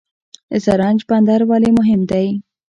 زرنج بندر ولې مهم دی؟